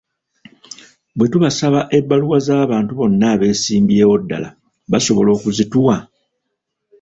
Bwe tubasaba ebbaluwa z'abantu bonna abeesimbyewo ddala basobola okuzituwa?